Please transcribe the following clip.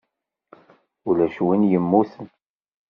Ulac win yemmuten.